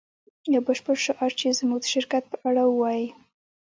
یو بشپړ شعار چې زموږ د شرکت په اړه ووایی